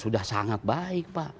sudah sangat baik pak